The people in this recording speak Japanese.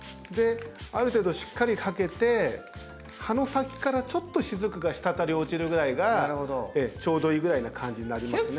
ある程度しっかりかけて葉の先からちょっとしずくが滴り落ちるぐらいがちょうどいいぐらいな感じになりますね。